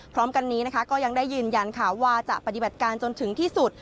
พร้อมกันนี้นะคะก็ยังได้ยืนยันค่ะว่าจะปฏิบัติการจนถึงที่สุด